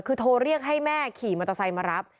คือโทรเรียกให้แม่ขี่มอเตอร์ไซค์มารับ